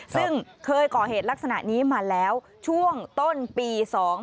ซึ่งเคยก่อเหตุลักษณะนี้มาแล้วช่วงต้นปี๒๕๖